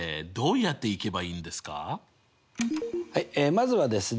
まずはですね